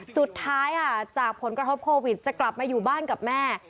สุดท้ายค่ะจากผลกระทบโควิดจะกลับมาอยู่บ้านกับแม่